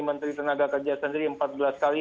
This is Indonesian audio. menteri tenaga kerja sendiri empat belas kali